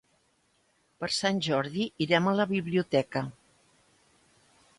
Per Sant Jordi irem a la biblioteca.